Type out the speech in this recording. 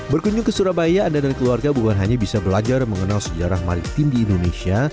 berkunjung ke surabaya anda dan keluarga bukan hanya bisa belajar mengenal sejarah maritim di indonesia